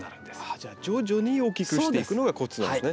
じゃあ徐々に大きくしていくのがコツなんですね。